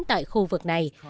tại khu vực này